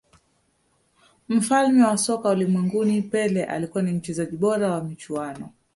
mfalme wa soka ulimwenguni pele alikuwa ni mchezaji bora wa michuano